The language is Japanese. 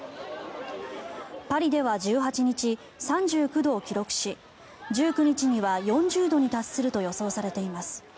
パリでは１８日３９度を記録し１９日には４０度に達すると予想されています。